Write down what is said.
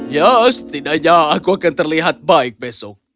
ya setidaknya aku akan terlihat baik besok